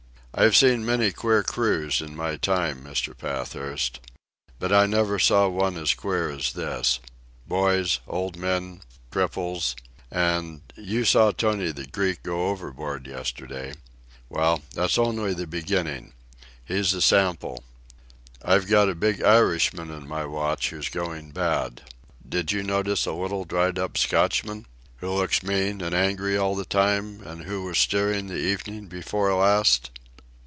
"I've seen many queer crews in my time, Mr. Pathurst. But I never saw one as queer as this—boys, old men, cripples and—you saw Tony the Greek go overboard yesterday? Well, that's only the beginning. He's a sample. I've got a big Irishman in my watch who's going bad. Did you notice a little, dried up Scotchman?" "Who looks mean and angry all the time, and who was steering the evening before last?"